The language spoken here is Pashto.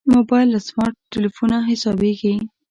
موبایل له سمارټ تلېفونه حسابېږي.